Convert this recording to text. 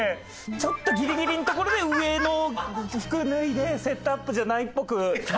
ちょっとギリギリのところで上の服脱いでセットアップじゃないっぽく。